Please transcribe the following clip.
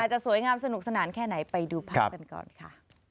จะสวยงามสนุกสนานแค่ไหนไปดูภาพกันก่อนค่ะ